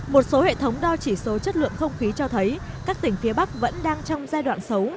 một số hệ thống đo chỉ số chất lượng không khí cho thấy các tỉnh phía bắc vẫn đang trong giai đoạn xấu